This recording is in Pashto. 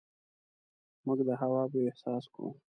موږ د هوا بوی احساس کړو.